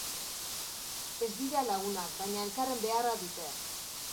Ez dira lagunak baina elkarren beharra dute.